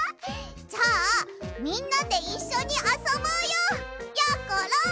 じゃあみんなでいっしょにあそぼうよやころ！